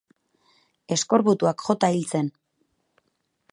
Eskorbutuak jota hil zen.